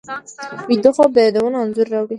ویده خوب د یادونو انځورونه راوړي